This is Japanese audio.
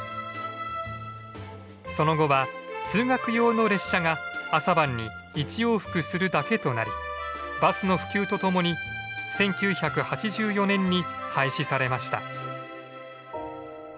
その後は通学用の列車が朝晩に１往復するだけとなりバスの普及とともに１９８４年に廃止されました。